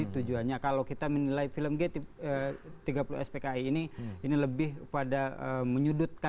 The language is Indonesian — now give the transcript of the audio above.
itu kita memetik hikmahnya